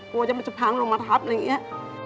กลัวมันจะพังลงมาทับอะไรอย่างนี้